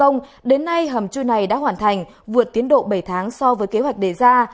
ngay hầm chu này đã hoàn thành vượt tiến độ bảy tháng so với kế hoạch đề ra